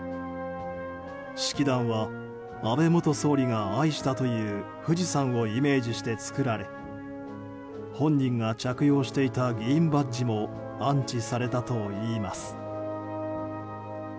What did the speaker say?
式壇は安倍元総理が愛したという富士山をイメージして作られ本人が着用していた議員バッジも安置されたといいます。